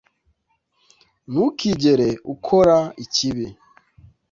Ntukigere ukora ikibi